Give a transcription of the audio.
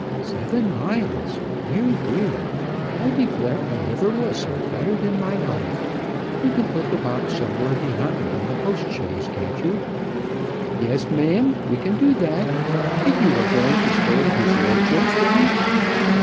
"Seven miles! dear, dear. I declare I never was so tired in my life. You can put the box somewhere behind in the post chaise, can't you?" "Yes, ma'am; we can do that. Be you a going to stay at his lordship's, then?"